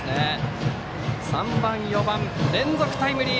３番、４番連続タイムリー。